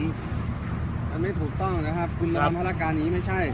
มันไม่ถูกต้องนะครับคุณโดนภารการนี้ไม่ใช่